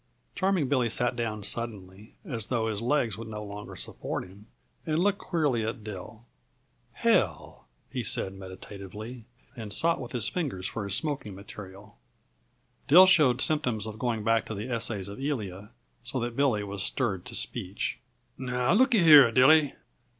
Charming Billy sat down suddenly, as though his legs would no longer support him, and looked queerly at Dill. "Hell!" he said meditatively, and sought with his fingers for his smoking material. Dill showed symptoms of going back to "The Essays of Elia," so that Billy was stirred to speech. "Now, looky here, Dilly.